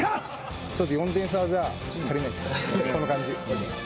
ちょっと４点差じゃ足りないっす